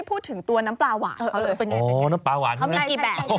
พูดถึงตัวน้ำปลาหวานเป็นไง